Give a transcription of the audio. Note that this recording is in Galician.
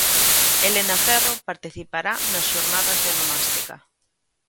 Elena Ferro participará nas Xornadas de Onomástica.